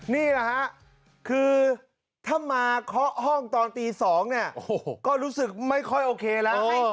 นี่แหละฮะคือถ้ามาเคาะห้องตอนตี๒เนี่ยก็รู้สึกไม่ค่อยโอเคแล้ว